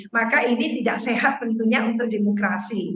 maka ini tidak sehat tentunya untuk demokrasi